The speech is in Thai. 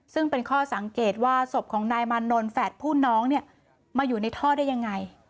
ซึ่งเป็นข้อสังเกตว่าศพของนายมานนท์แฝดผู้น้องเนี่ยมาอยู่ในท่อได้ยังไง